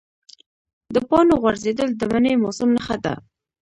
د پاڼو غورځېدل د مني موسم نښه ده.